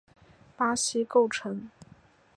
巴西构成。